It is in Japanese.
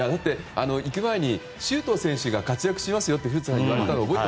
行く前に周東選手が活躍しますよと古田さんが言われました。